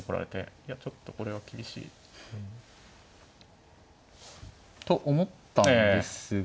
いやちょっとこれは厳しい。と思ったんですが。